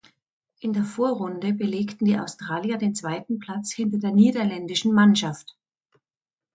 In der Vorrunde belegten die Australier den zweiten Platz hinter der niederländischen Mannschaft.